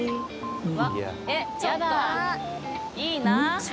いいな！